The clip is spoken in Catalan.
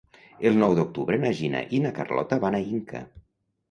El nou d'octubre na Gina i na Carlota van a Inca.